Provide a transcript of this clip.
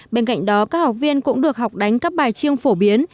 bên cạnh đó các học viên cũng được học đánh các bài chiêng phổ biến